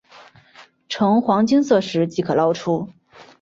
呈金黄色时即可捞出。